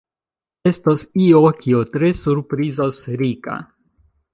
Estas io, kio tre surprizas Rika.